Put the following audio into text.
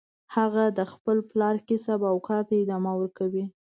هغه د خپل پلار کسب او کار ته ادامه ورکوي